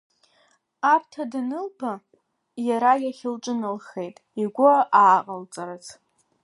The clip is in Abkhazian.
Аԥҭа данылба, иара иахь лҿыналхеит, игәы ааҟалҵарц.